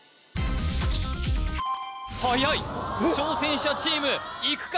はやい挑戦者チームいくか？